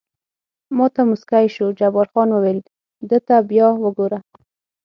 ما ته موسکی شو، جبار خان وویل: ده ته بیا وګوره.